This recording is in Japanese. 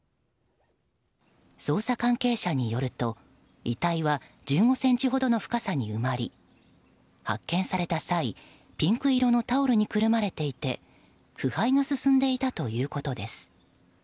捜査関係者によると遺体は１５ｃｍの深さに埋まり発見された際、ピンク色のタオルにくるまれていて腐敗が進んでいたということです。